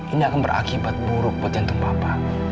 ini akan berakibat buruk buat jantung papa